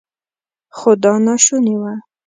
خو دا ناشونې وه.